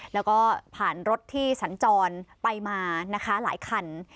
แล้วก็ผ่านรถที่สัญจรไปมานะคะหลายคัน